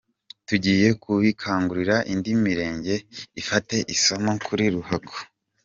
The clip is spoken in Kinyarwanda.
Tugiye kubikangurira indi mirenge ifatire isomo kuri Ruhango”.